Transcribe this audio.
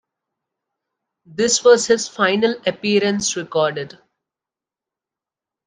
This was his final appearance recorded.